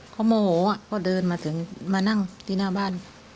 เขาโมโหก็เดินมาถึงมานั่งที่หน้าบ้าน